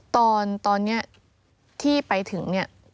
ตอนนี้ที่ไปถึงเนี่ย